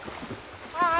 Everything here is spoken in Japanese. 「ああ！